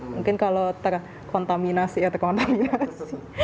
mungkin kalau terkontaminasi ya terkontaminasi